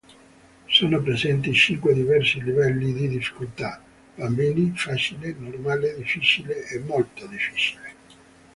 Sono presenti cinque diversi livelli di difficoltà: bambini, facile, normale, difficile e molto difficile.